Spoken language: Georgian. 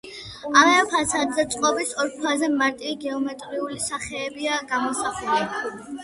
ამავე ფასადზე წყობის ორ ქვაზე მარტივი გეომეტრიული სახეებია გამოსახული.